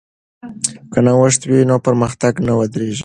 که نوښت وي نو پرمختګ نه ودریږي.